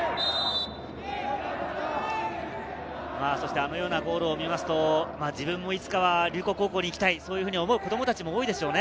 あのようなゴールを見ると自分もいつかは龍谷高校に行きたいと思う子供たちも多いでしょうね。